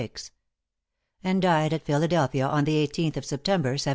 and died at Philadelphia on the 18th of September, 1780.